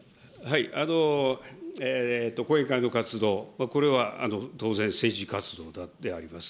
後援会の活動、これは当然政治活動であります。